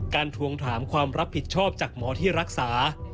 ทวงถามความรับผิดชอบจากหมอที่รักษา